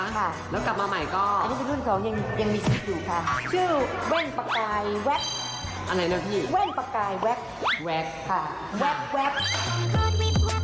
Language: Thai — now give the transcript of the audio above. แล้วกลับมาใหม่ก็อันนี้เป็นรุ่นของยังมีซึกอยู่ค่ะชื่อเว้นประกายแว๊บอะไรเนี่ยพี่